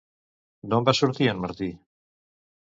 D'on va sortir en Martí?